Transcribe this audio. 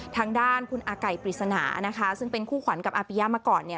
ทางด้านคุณอาไก่ปริศนานะคะซึ่งเป็นคู่ขวัญกับอาปิยะมาก่อนเนี่ย